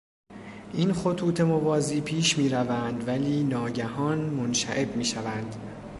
این خطوط موازی پیش میروند ولی ناگهان منشعب میشوند.